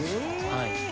はい。